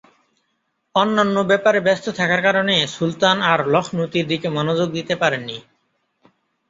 অন্যান্য ব্যাপারে ব্যস্ত থাকার কারণে সুলতান আর লখনৌতির দিকে মনোযোগ দিতে পারেন নি।